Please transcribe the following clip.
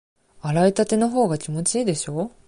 洗いたてのほうが気持ちいいでしょ？